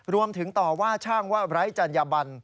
รวมถึงต่อว่าช่างว่าไร้จัญญบัน